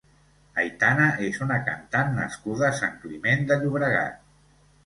Aitana és una cantant nascuda a Sant Climent de Llobregat.